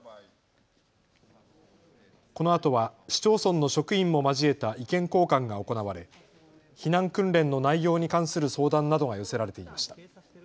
このあとは市町村の職員も交えた意見交換が行われ避難訓練の内容に関する相談などが寄せられていました。